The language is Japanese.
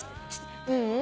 ううん。